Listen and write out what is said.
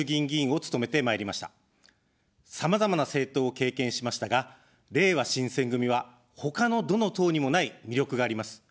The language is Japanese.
さまざまな政党を経験しましたが、れいわ新選組は、他のどの党にもない魅力があります。